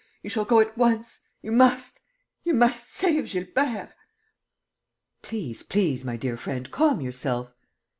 You shall go at once!... You must!... You must save Gilbert!" "Please, please, my dear friend, calm yourself...."